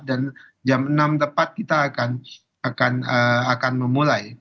dan jam enam tepat kita akan memulai